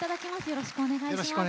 よろしくお願いします。